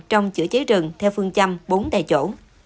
trong chữa cháy rừng theo phương châm bốn tại chỗ